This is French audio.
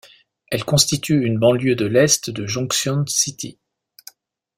Elle constitue une banlieue de l'est de Junction City.